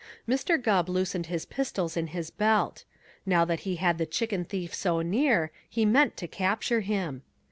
Mr. Gubb loosened his pistols in his belt. Now that he had the chicken thief so near, he meant to capture him.